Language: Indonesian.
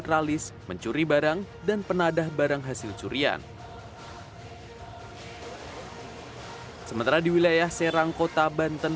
tralis mencuri barang dan penadah barang hasil curian sementara di wilayah serang kota banten